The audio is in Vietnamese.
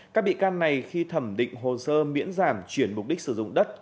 các bị can này khi thẩm định hồ sơ miễn giảm chuyển mục đích sử dụng đất